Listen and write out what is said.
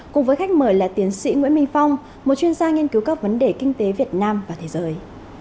cùng với khách mời là tiến sĩ nguyễn minh phong một chuyên gia nghiên cứu các vấn đề kinh tế việt nam và thế giới